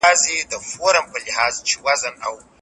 سردار محمد داود خان د خپل وطن لپاره هر څه وکړل.